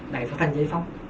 đài phát thanh giải phóng